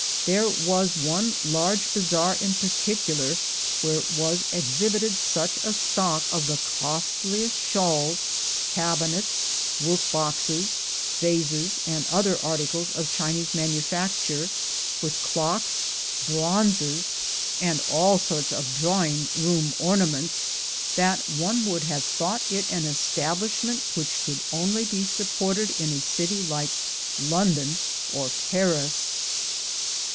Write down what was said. There was one large bazaar in particular where was exhib ited such a stock of the costliest shawls, cabinets, workboxes, vases, and other articles of Chinese manu facture, with clocks, bronzes, and all sorts of drawing 86 THE GOLD HUNTERS room ornaments, that one would have thought it an establishment which could only be supported in a city like London or Paris.